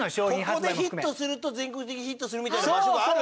ここでヒットすると全国的にヒットするみたいな場所がある？